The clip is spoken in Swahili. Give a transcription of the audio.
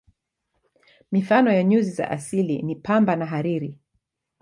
Mifano ya nyuzi za asili ni pamba na hariri.